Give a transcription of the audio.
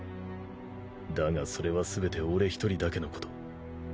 だがそれは全て俺一人だけのこと。